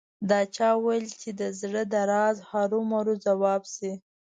دا چا ویل چې د زړه د راز هرو مرو ځواب شي